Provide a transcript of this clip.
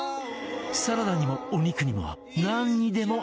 サラダにもお肉にもなんにでも合う！